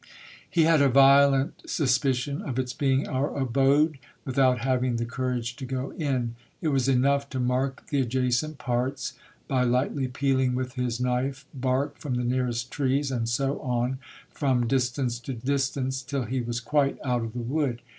He had a violent suspicion of its being our abode, without having the courage to go in. It was enough to mark the adjacent parts, by lightly peeling with his knife bark from the nearest trees, and so on, from distance to distance, till he was quite out of the wood.